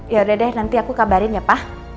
yaudah deh nanti aku kabarin ya pak